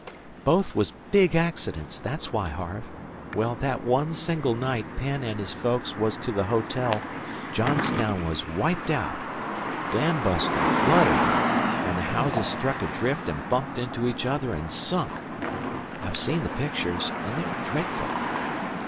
"Both was big accidents thet's why, Harve. Well, that one single night Penn and his folks was to the hotel Johnstown was wiped out. 'Dam bust an' flooded her, an' the houses struck adrift an' bumped into each other an' sunk. I've seen the pictures, an' they're dretful.